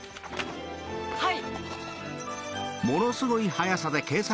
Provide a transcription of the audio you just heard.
はい！